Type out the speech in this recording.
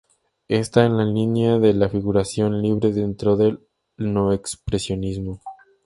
Está en la línea de la figuración libre dentro del neoexpresionismo.